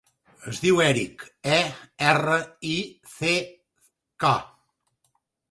Es diu Erick: e, erra, i, ce, ca.